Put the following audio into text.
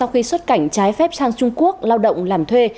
khi xuất cảnh trái phép sang trung quốc lao động làm thuê